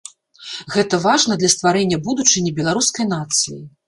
Гэта важна для стварэння будучыні беларускай нацыі.